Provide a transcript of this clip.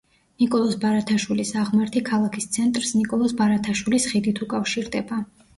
ნიკოლოზ ბარათაშვილის აღმართი ქალაქის ცენტრს ნიკოლოზ ბარათაშვილის ხიდით უკავშირდება.